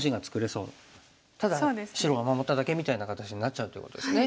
ただ白は守っただけみたいな形になっちゃうということですね。